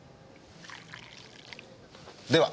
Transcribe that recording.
では。